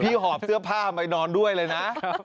หอบเสื้อผ้าไปนอนด้วยเลยนะ